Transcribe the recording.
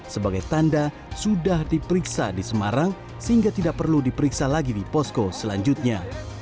sebagai tanda sudah diperiksa di semarang sehingga tidak perlu diperiksa lagi di posko selanjutnya